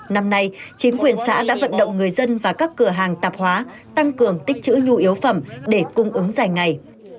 năm nay chính quyền xã đã vận động người dân và các cửa hàng tạp hóa tăng cường tích chữ nhu yếu phẩm để cung ứng dài ngày